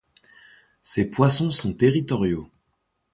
Ces poissons sont territoriaux.